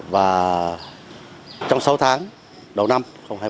và trong sáu tháng đầu năm hai nghìn hai mươi bốn